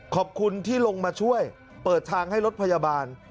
ขอบคุณที่ลงมาช่วยเปิดทางให้รถพยาบาล